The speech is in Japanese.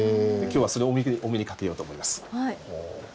今日はそれをお目にかけようと思います。